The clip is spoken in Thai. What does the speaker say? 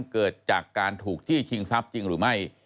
เกิดจากการถูกจี้ชิงทรัพย์จริงหรือไม่